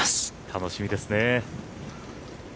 楽しみですね。